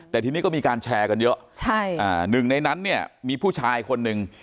แต่ทีนี้ก็มีการแชร์กันเยอะใช่อ่าหนึ่งในนั้นเนี่ยมีผู้ชายคนหนึ่ง